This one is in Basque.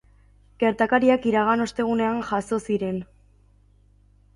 Gertakariak iragan ostegunean jazo ziren.